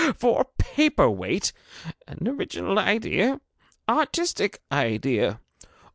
For a paper weight! An original idea! artistic idea!